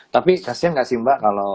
tapi kasih gak sih mbak kalo